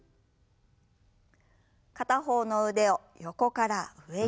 片方の腕を横から上に。